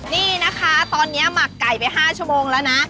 นี่นะคะตอนนี้หมักไก่ไป๕ชั่วโมงแล้วนะ